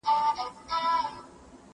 زه اجازه لرم چي چپنه پاک کړم!